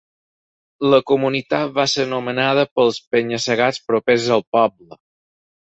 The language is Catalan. La comunitat va ser nomenada pels penya-segats propers al poble.